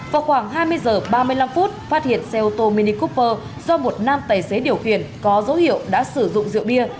vào khoảng hai mươi h ba mươi năm phút phát hiện xe ô tô mini kuper do một nam tài xế điều khiển có dấu hiệu đã sử dụng rượu bia